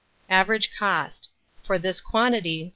Average cost for this quantity, 3s.